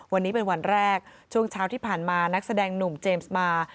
วันนี้เป็นวันแรกช่วงเช้าที่ผ่านมานักแสดงหนุ่มเจมส์มา